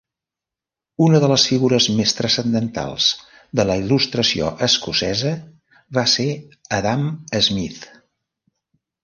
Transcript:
Una de les figures més transcendentals de la Il·lustració escocesa va ser Adam Smith.